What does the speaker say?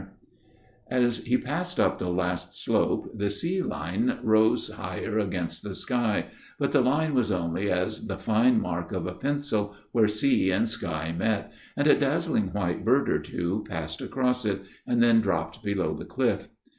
258 A MIRROR OF SHALOTT " As he passed up the last slope the sea line rose higher against the sky, but the line was only as the fine mark of a pencil where sea and sky met, and a dazzling white bird or two passed across it, and then dropped below the cliff.